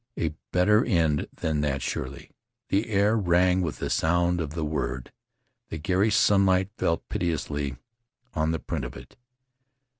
A better end than that, surely. The air rang with the sound of the word, the garish sunlight fell pitilessly on the print of it.